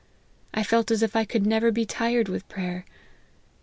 I felt as if I could never be tired with prayer.